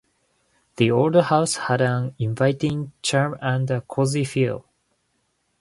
The old house had an inviting charm and a cozy feel.